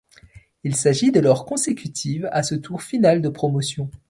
Il s'agit de leur consécutive à ce Tour Final de Promotion.